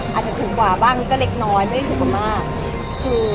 อาจจะถึงกว่าบ้างนี่ก็เล็กน้อยไม่ได้ถึงกว่ามากคือ